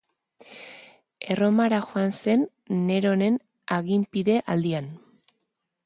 Erromara joan zen Neronen aginpide aldian.